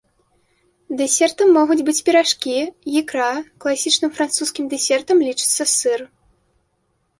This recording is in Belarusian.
Дэсертам могуць быць піражкі, ікра, класічным французскім дэсертам лічыцца сыр.